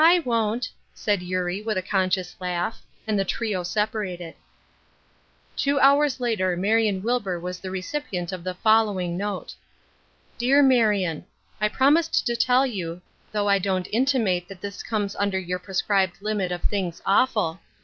" I won't," said Eurie, with a conscious laugh, and the trio separated. Two hours later Marion Wilbur was the recip ient of the following note ;" Dear Makion :—" I promised to tell you — though I don't inti mate that this comes under your prescribed limit of things ' awful.'